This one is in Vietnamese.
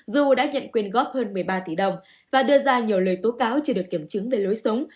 dù đã nhận quyền góp hơn một mươi ba tỷ đồng và đưa ra nhiều lời tố cáo chưa được kiểm chứng về lối sống